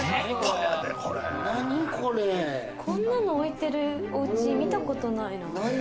こんなの置いてるおうち、見たことないな。